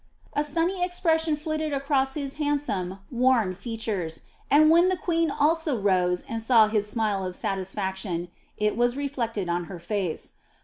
A sunny expression flitted across his handsome, worn features, and when the queen also rose and saw his smile of satisfaction it was reflected on her face.